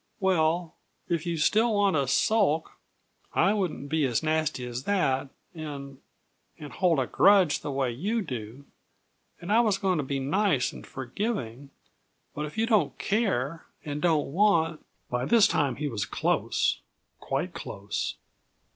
"Well, if you still want to sulk I wouldn't be as nasty as that, and and hold a grudge the way you do and I was going to be nice and forgiving; but if you don't care, and don't want " By this time he was close quite close.